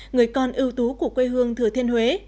người con ưu tú của quê hương thừa thiên huế